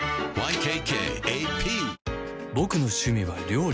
ボクの趣味は料理